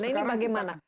nah ini bagaimana